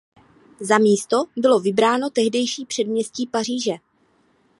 Za místo bylo vybráno tehdejší předměstí Paříže.